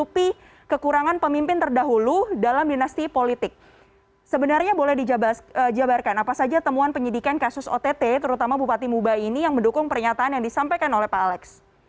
bagaimana saja temuan penyidikan kasus ott terutama bupati mubah ini yang mendukung pernyataan yang disampaikan oleh pak alex